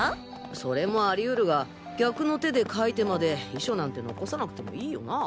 それもあり得るが逆の手で書いてまで遺書なんて残さなくてもいいよな？